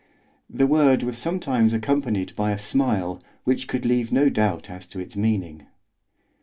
The word was sometimes accompanied by a smile which could leave no doubt as to its meaning.